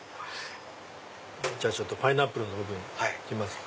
じゃあパイナップルの部分いってみます。